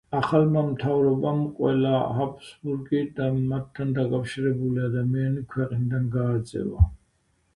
ახალმა მთავრობამ ყველა ჰაბსბურგი და მათთან დაკავშირებული ადამიანი ქვეყნიდან გააძევა.